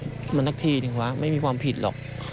เหมือนกับที่แต่วะไม่มีความผิดหรอก